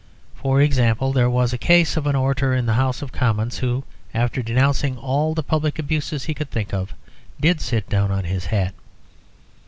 For example, there was a case of an orator in the House of Commons, who, after denouncing all the public abuses he could think of, did sit down on his hat.